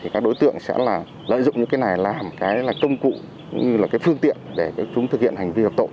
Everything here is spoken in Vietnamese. các đối tượng sẽ lợi dụng những cái này làm công cụ phương tiện để chúng thực hiện hành vi hợp tộ